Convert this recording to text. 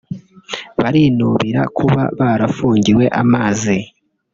barinubira kuba barafungiwe amazi